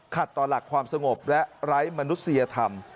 ต่อหลักความสงบและไร้มนุษยธรรม